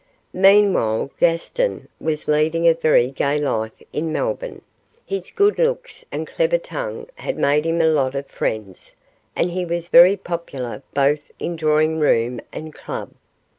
Meanwhile, Gaston was leading a very gay life in Melbourne. His good looks and clever tongue had made him a lot of friends, and he was very popular both in drawing room and club.